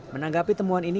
menanggapi temuan ini